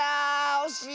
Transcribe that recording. おしい。